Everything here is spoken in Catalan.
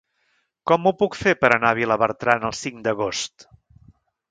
Com ho puc fer per anar a Vilabertran el cinc d'agost?